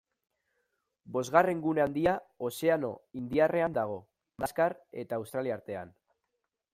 Bosgarren gune handia Ozeano Indiarrean dago, Madagaskar eta Australia artean.